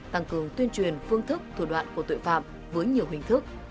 tăng cường tuyên truyền phương thức thủ đoạn của tội phạm với nhiều hình thức